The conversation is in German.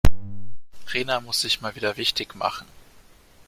Rena muss sich mal wieder wichtig machen.